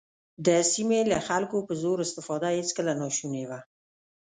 د سیمې له خلکو په زور استفاده هېڅکله ناشونې وه.